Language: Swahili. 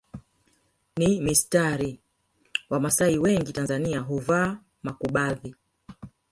ni mistari Wamasai wengi Tanzania huvaa makubadhi